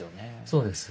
そうです。